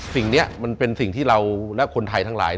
สิ่งนี้มันเป็นสิ่งที่เราและคนไทยทั้งหลาย